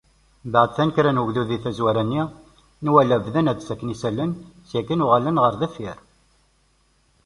Mbeɛd tanekkra n ugdud di tazwara-nni, nwala bdan ad d-ttaken isallen, syin akkin uɣalen ɣer deffir.